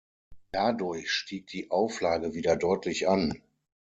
Dadurch stieg die Auflage wieder deutlich an.